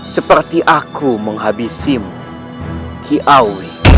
seperti aku menghabisimu